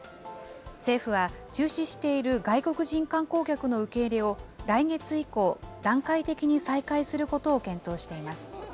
政府は、中止している外国人観光客の受け入れを来月以降、段階的に再開することを検討しています。